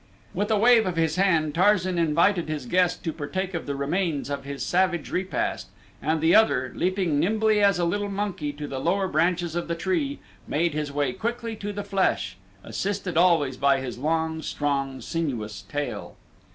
With a wave of his hand Tarzan invited his guest to partake of the remains of his savage repast, and the other, leaping nimbly as a little monkey to the lower branches of the tree, made his way quickly to the flesh, assisted always by his long, strong sinuous tail.